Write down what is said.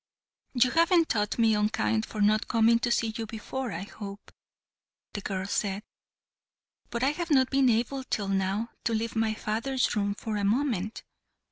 "You haven't thought me unkind for not coming to see you before, I hope," the girl said; "but I have not been able till now to leave my father's room for a moment."